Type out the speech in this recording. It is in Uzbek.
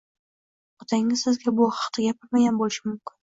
Otangiz sizga bu haqda gapirmagan bo`lishi mumkin